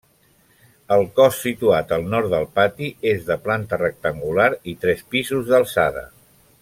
El cos situat al nord del pati és de planta rectangular i tres pisos d'alçada.